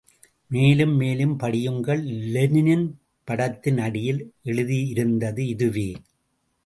மேலும் மேலும் படியுங்கள் லெனின் படத்தின் அடியில் எழுதியிருந்தது இதுவே.